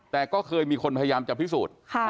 แต่ก็เคยมีคนพยายามจะพิสูจน์